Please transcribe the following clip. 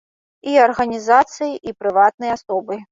І арганізацыі, і прыватныя асобы.